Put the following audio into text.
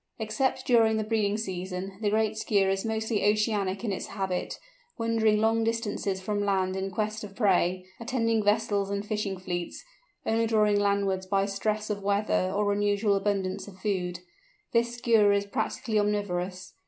Except during the breeding season, the Great Skua is mostly oceanic in its habitat, wandering long distances from land in quest of prey, attending vessels and fishing fleets, only drawing landwards by stress of weather or unusual abundance of food. This Skua is practically omnivorous.